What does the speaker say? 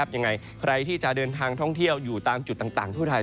ยังไงใครที่จะเดินทางท่องเที่ยวอยู่ตามจุดต่างทั่วไทย